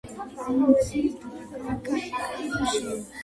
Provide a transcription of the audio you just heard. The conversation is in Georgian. პროვინციის დედაქალაქია აიაკუჩო.